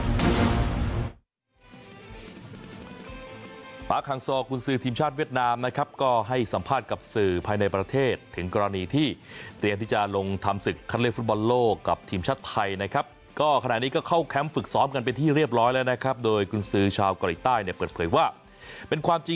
ทีมชาติเวียดนามภาคหังศอกคุณซื้อทีมชาติเวียดนามนะครับก็ให้สัมภาษณ์กับสื่อภายในประเทศถึงกรณีที่เตรียมที่จะลงทำศึกคันเรียกฝุ่นบอลโลกกับทีมชาติไทยนะครับก็ขณะนี้ก็เข้าแคมป์ฝึกซ้อมกันเป็นที่เรียบร้อยแล้วนะครับโดยคุณซื้อชาวกริต้ายในเปิดเผยว่าเป็นคว